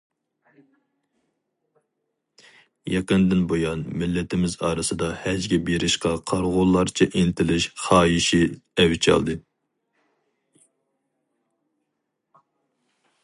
يېقىندىن بۇيان مىللىتىمىز ئارىسىدا ھەجگە بېرىشقا قارىغۇلارچە ئىنتىلىش خاھىشى ئەۋج ئالدى.